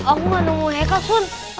aku gak nemu heikal sun